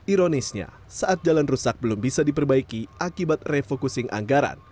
ironisnya saat jalan rusak belum bisa diperbaiki akibat refocusing anggaran